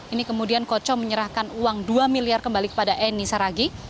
ini kemudian koco menyerahkan uang dua miliar kembali kepada eni saragi